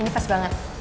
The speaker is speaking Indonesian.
ini pas banget